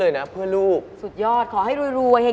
รอที่จะมาอัปเดตผลงานแล้วก็เข้าไปโด่งดังไกลถึงประเทศจีน